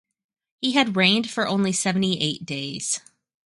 He had reigned for only seventy-eight days.